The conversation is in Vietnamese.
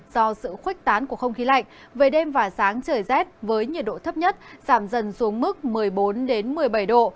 do sự khuếch tán của không khí lạnh về đêm và sáng trời rét với nhiệt độ thấp nhất giảm dần xuống mức một mươi bốn một mươi bảy độ